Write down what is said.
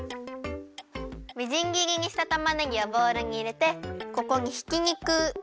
みじん切りにしたたまねぎをボウルにいれてここにひきにく。